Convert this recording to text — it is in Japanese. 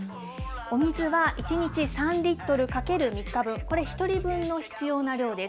お水は１日３リットル×３日分、これ１人分の必要な量です。